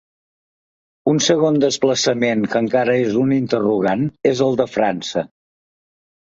Un segon desplaçament que encara és un interrogant és el de França.